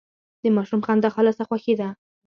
د ماشوم خندا خالصه خوښي ده.